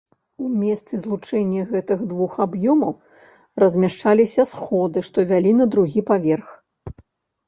У месцы злучэння гэтых двух аб'ёмаў размяшчаліся сходы, што вялі на другі паверх.